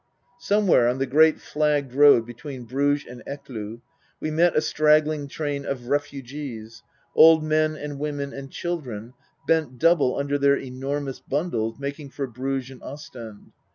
Somewhere on the great flagged road between Bruges and Ecloo we met a straggling train of refugees old men and women and children, bent double under their enormous bundles, making for Bruges and Ostend.